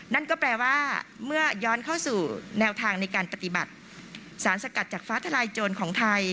นั่นก็แปลว่าเมื่อย้อนเข้าสู่แนวทางในการปฏิบัติสารสกัดจากฟ้าทลายโจรของไทย